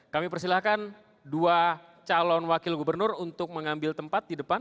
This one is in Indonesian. kami persilahkan dua calon wakil gubernur untuk mengambil tempat di depan